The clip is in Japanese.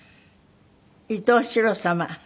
「伊東四朗様」